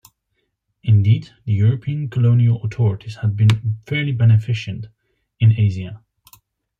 Indeed, the European colonial authorities had been "fairly beneficent" in Asia.